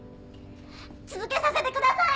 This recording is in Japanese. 続けさせてください！